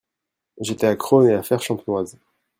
J'étais a Craonne et a Fere-Champenoise.